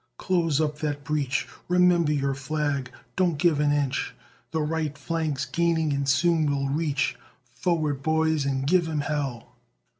Close up that breach Remember your flag don't give an inch! The right flank's gaining and soon will reach Forward boys, and give 'em hell!"